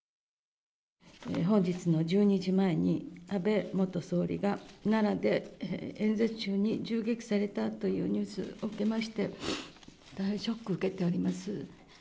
本日の１２時前に、安倍元総理が奈良で演説中に銃撃されたというニュースを受けまして、大変ショックを受けております。